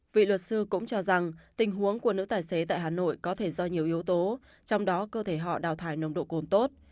vị luật sư cũng cho rằng tình huống của nữ tài xế tại hà nội có thể do nhiều yếu tố trong đó cơ thể họ đào thải nồng độ cồn tốt